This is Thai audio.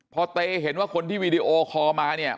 พอเตเห็นว่าคนที่วีดีโอคอลมาเนี่ย